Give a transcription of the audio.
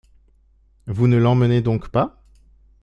Vous ne l’emmenez donc pas ?